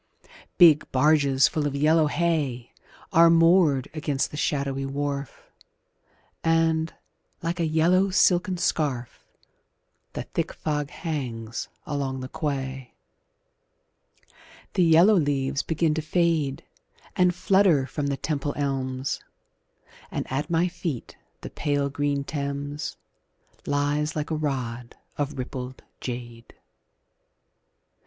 Big barges full of yellow hay Are moored against the shadowy wharf, And, like a yellow silken scarf, The thick fog hangs along the quay. The yellow leaves begin to fade And flutter from the Temple elms, And at my feet the pale green Thames Lies like a rod of rippled jade.